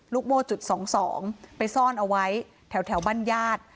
ลูกโมจุดสองสองไปซ่อนเอาไว้แถวแถวบ้านญาติ